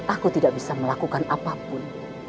aku tidak bisa melakukan apapun